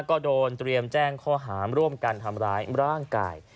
ก็โดนเตรียมแจ้งข้อหามร่วมกันทำร้ายร่างกาย